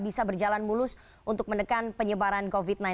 bisa berjalan mulus untuk menekan penyebaran covid sembilan belas